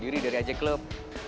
diri dari ajaclub